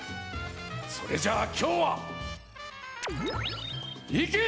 それじゃあきょうはいけ！